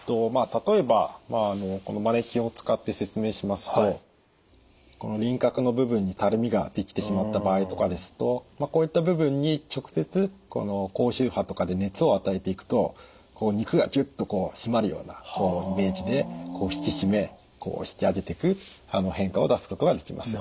例えばこのマネキンを使って説明しますとこの輪郭の部分にたるみができてしまった場合とかですとこういった部分に直接高周波とかで熱を与えていくと肉がギュッと締まるようなイメージで引き締め引き上げていく変化を出すことができます。